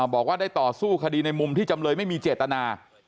บอกว่าได้ต่อสู้คดีในมุมที่จำเลยไม่มีเจตนา